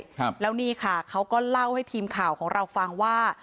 ครับแล้วนี่ค่ะเขาก็เล่าให้ทีมข่าวของเราฟังว่า